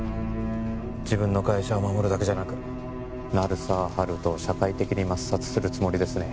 自分の会社を守るだけじゃなく鳴沢温人を社会的に抹殺するつもりですね